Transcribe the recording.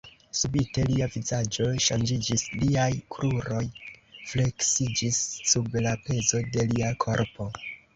Subite lia vizaĝo ŝanĝiĝis; liaj kruroj fleksiĝis sub la pezo de lia korpo.